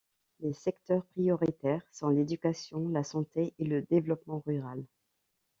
Les secteurs prioritaires sont l’éducation, la santé et le développement rural.